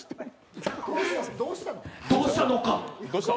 どうしたのか？